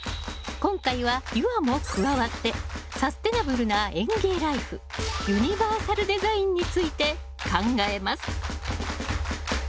今回は夕空も加わってサステナブルな園芸ライフユニバーサルデザインについて考えます